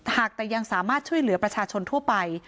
หากแต่ยังสามารถช่วยเหลือประชาชนทั่วไป